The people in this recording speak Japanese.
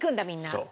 そう。